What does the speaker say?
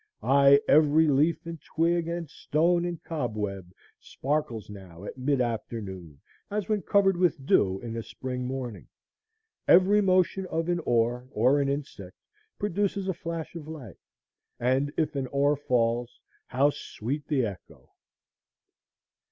Ay, every leaf and twig and stone and cobweb sparkles now at mid afternoon as when covered with dew in a spring morning. Every motion of an oar or an insect produces a flash of light; and if an oar falls, how sweet the echo!